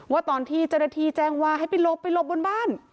ว่าตอนที่เจรธีแจงว่าให้ไปลบไปลบบนบ้าน